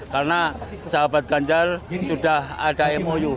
karena sahabat ganjar sudah ada mou